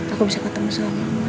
aku bisa ketemu sama